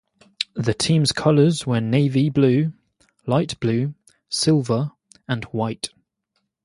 The team's colors were navy blue, light blue, silver, and white.